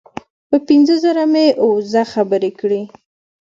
په پنځه زره مې وزه خبرې کړې.